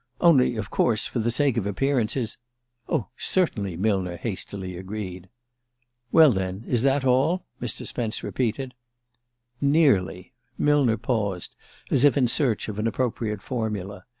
Only, of course, for the sake of appearances " "Oh, certainly," Millner hastily agreed. "Well, then: is that all?" Mr. Spence repeated. "Nearly." Millner paused, as if in search of an appropriate formula.